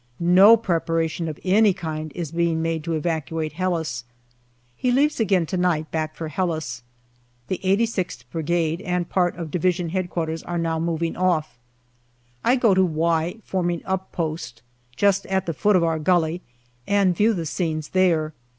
No preparation of any kind is being made to evacuate Helles. He leaves again to night, back for Helles. The 86th Brigade and part of D.H.Q. are now moving off. I go to " Y " forming up post, just at the foot of our gully, and view the scenes there.